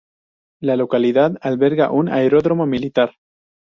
La localidad alberga un aeródromo militar.